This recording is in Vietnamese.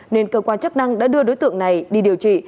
nên cơ quan chức năng đã đưa đối tượng này đi điều trị